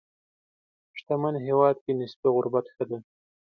شتمن هېواد کې نسبي غربت ښه دی.